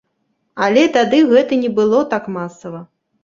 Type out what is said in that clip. Але тады гэта не было так масава.